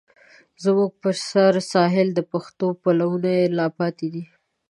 زموږ په سره ساحل، د پښو پلونه یې لا پاتې دي